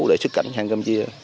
để xuất cảnh sang campuchia